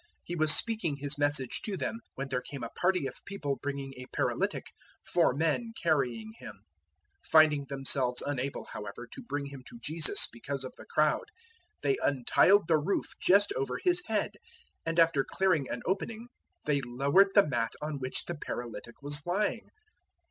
He was speaking His Message to them, 002:003 when there came a party of people bringing a paralytic four men carrying him. 002:004 Finding themselves unable, however, to bring him to Jesus because of the crowd, they untiled the roof just over His head, and after clearing an opening they lowered the mat on which the paralytic was lying.